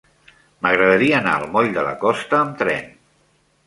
M'agradaria anar al moll de la Costa amb tren.